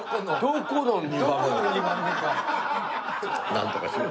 なんとかしろ。